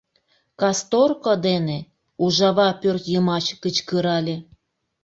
— Касторко дене, — Ужава пӧртйымач кычкырале...